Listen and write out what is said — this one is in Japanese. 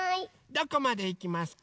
どこまでいきますか？